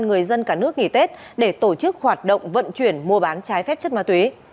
người dân cả nước nghỉ tết để tổ chức hoạt động vận chuyển mua bán trái phép chất ma túy